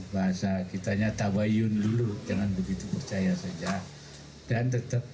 dan tetap menjaga kebutuhan